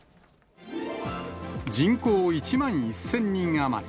人口１万１０００人余り。